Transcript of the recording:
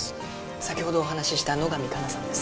先ほどお話しした野上香菜さんです